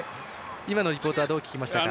今のリポートをどう聞きましたか？